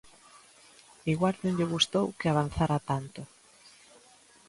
Igual non lle gustou que avanzara tanto.